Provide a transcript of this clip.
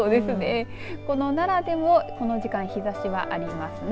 この奈良でもこの時間日ざしはありますね。